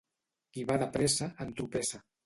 Qui va de pressa, entropessa.